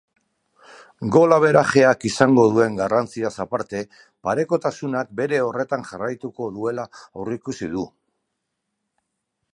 Gol-averageak izango duen garrantziaz aparte parekotasunak bere horretan jarraituko duela aurreikusi du.